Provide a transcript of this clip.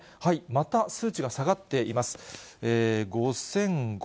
また数値が下がっています。